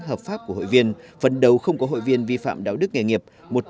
hợp pháp của hội viên phấn đấu không có hội viên vi phạm đạo đức nghề nghiệp